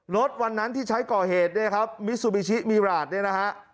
รถวันนั้นที่ใช้ก่อเหตุมิสุบิชิมีราช